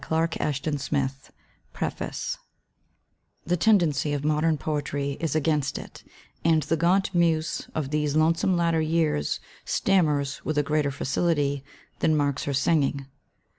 OooO %K ^1 \> 4' '> PREFACE The tendency of modem poetry "" is against it, and the gaunt Muse of these lonesome latter years stammers with a greater facility than marks her singing.